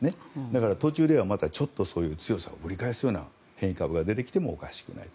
だから、途中ではまた強さがぶり返すような変異株が出てきてもおかしくない。